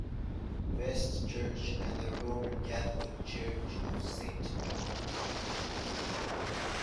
West Church and the Roman Catholic Church of Saint John.